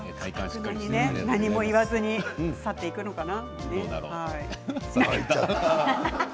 何も言わずに去っていくのかな。